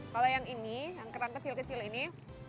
kalau yang ini yang kerang kecil kecil ini